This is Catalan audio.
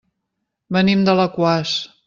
Venim d'Alaquàs.